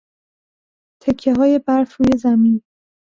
تکههای برف روی زمین